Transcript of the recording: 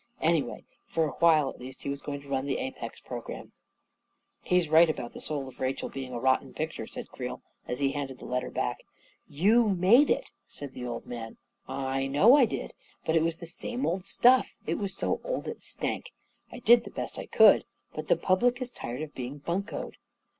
Anyway, for a while, at least, he was going to run the Apex pro gram. " He's right about * The Soul of Rachel ' being a rotten picture," said Creel, as he handed the letter' back. " You made it," said the old man. 44 I know I did —* but it was the same old stuff — it was so old it stank ! I did the best I could. But the public is tired of being buncoed."